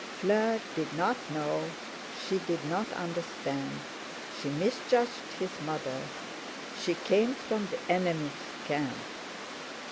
Fleur did not know, she did not understand—she misjudged his mother; she came from the enemy's camp!